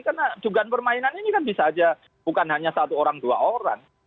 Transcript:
karena juga permainan ini kan bisa saja bukan hanya satu orang dua orang